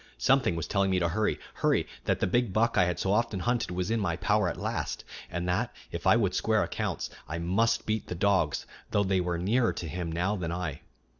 Something was telling me to hurry, hurry; that the big buck I had so often hunted was in my power at last, and that, if I would square accounts, I must beat the dogs, though they were nearer to him now than I.